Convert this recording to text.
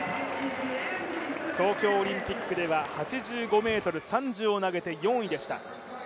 東京オリンピックでは８５ｍ３０を投げて４位でした。